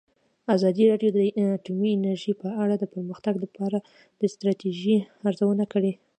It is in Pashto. ازادي راډیو د اټومي انرژي په اړه د پرمختګ لپاره د ستراتیژۍ ارزونه کړې.